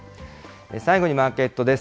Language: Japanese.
最後にマーケットです。